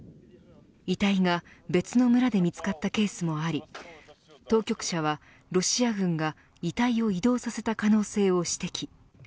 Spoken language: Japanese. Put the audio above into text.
遺体が別の村で見つかったケースもあり当局者はロシア軍が遺体を移動させた可能性を指摘。